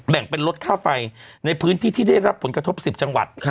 แบ่งเป็นลดค่าไฟในพื้นที่ที่ได้รับผลกระทบ๑๐จังหวัด